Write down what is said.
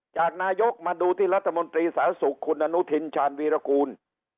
จากนายกมาดูที่รัฐมนตรีสาธารณสุขคุณอนุทินชาญวีรกูล